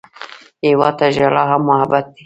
هېواد ته ژړا هم محبت دی